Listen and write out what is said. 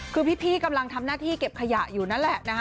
คือพี่กำลังทำหน้าที่เก็บขยะอยู่นั่นแหละนะคะ